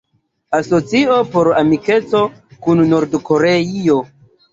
Asocio por Amikeco kun Nord-Koreio.